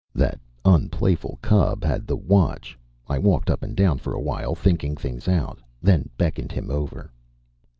That unplayful cub had the watch. I walked up and down for a while thinking things out, then beckoned him over.